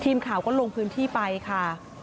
ทีมข่าวก็ลงพื้นที่ไปค่ะ